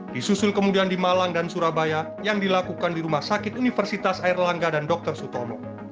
disusul kemudian di malang dan surabaya yang dilakukan di rumah sakit universitas airlangga dan dr sutomo